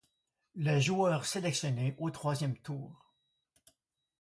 Les joueurs sélectionnés au troisième tour.